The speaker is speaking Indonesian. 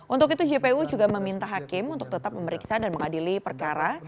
untuk itu jpu juga meminta hakim untuk tetap memeriksa dan mengadili perkara